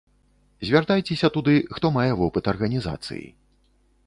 Звяртайцеся туды, хто мае вопыт арганізацыі.